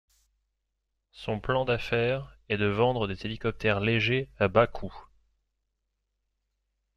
Son plan d'affaires est de vendre des hélicoptères légers à bas cout.